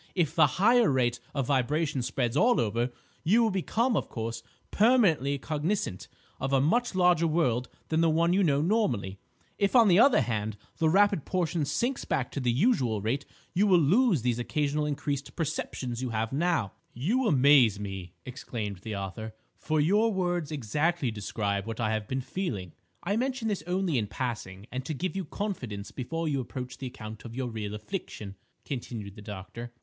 If the higher rate of vibration spreads all over, you will become, of course, permanently cognisant of a much larger world than the one you know normally. If, on the other hand, the rapid portion sinks back to the usual rate, you will lose these occasional increased perceptions you now have." "You amaze me!" exclaimed the author; "for your words exactly describe what I have been feeling—" "I mention this only in passing, and to give you confidence before you approach the account of your real affliction," continued the doctor.